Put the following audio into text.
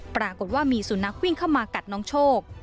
ปรากฏว่ามีสุนัขวิ่งเข้ามากัดน้องโชค